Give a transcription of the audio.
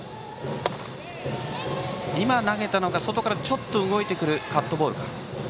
今、投げたのが外からちょっと動いてくるカットボール。